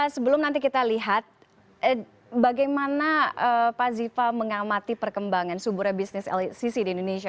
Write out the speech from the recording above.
sebelum nanti kita lihat bagaimana pak ziva mengamati perkembangan suburnya bisnis lcc di indonesia